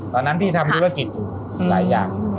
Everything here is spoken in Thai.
ตอนนั้นพี่ทำธุรกิจอยู่หลายอย่าง